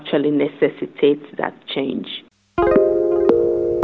kita akan mencoba untuk mencoba untuk melakukan perubahan